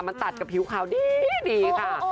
มันตัดกับผิวขาวดีค่ะ